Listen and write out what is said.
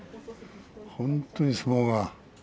本当に相撲が。